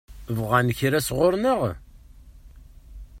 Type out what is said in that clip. Bɣant kra sɣur-neɣ?